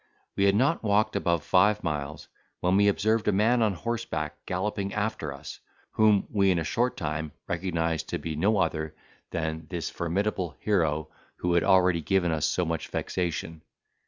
We had not walked above five miles, when we observed a man on horseback galloping after us, whom we in a short time recognised to be no other than this formidable hero who had already given us so much vexation.